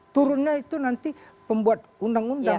turunnya itu nanti pembuat undang undang